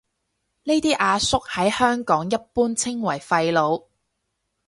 呢啲阿叔喺香港一般稱為廢老